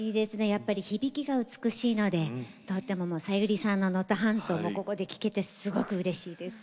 やっぱり響きが美しいのでさゆりさんの「能登半島」をここで聴けてすごくうれしいです。